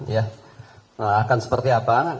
ya nah akan seperti apa